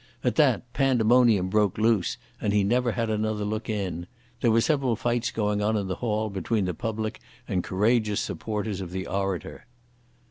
At that, pandemonium broke loose, and he never had another look in. There were several fights going on in the hall between the public and courageous supporters of the orator.